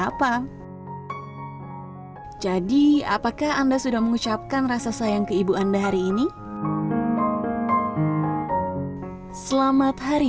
apa hai jadi apakah anda sudah mengucapkan rasa sayang ke ibu anda hari ini selamat hari